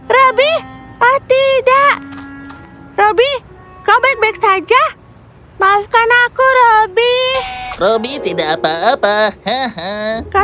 robby ah tidak robby kau baik baik saja maafkan aku robby robby tidak apa apa